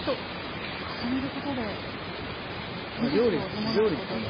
重ねることで技術を伴うことで。